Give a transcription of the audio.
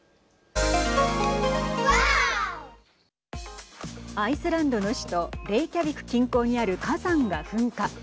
アイスランドの首都レイキャビク近郊にある火山が噴火。